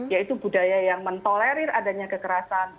yaitu budaya yang mentolerir adanya kekerasan